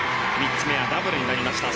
３つ目はダブルになりました。